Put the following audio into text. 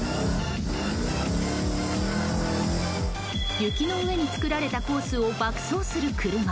雪の上に作られたコースを爆走する車。